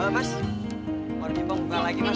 mas warung jepang buka lagi mas